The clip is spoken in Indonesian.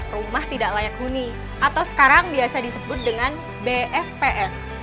rumah tidak layak huni atau sekarang biasa disebut dengan bsps